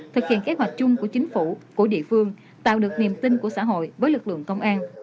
thực hiện kế hoạch chung của chính phủ của địa phương tạo được niềm tin của xã hội với lực lượng công an